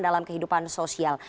dalam kehidupan sosial